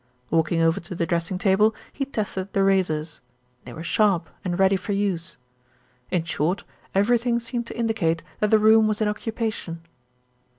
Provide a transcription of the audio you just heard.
Walking over to the dressing table, he tested the razors. They were sharp and ready for use. In short, everything seemed to indicate that the room was in occupation.